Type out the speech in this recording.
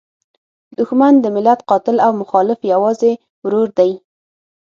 دوښمن د ملت قاتل او مخالف یوازې ورور دی.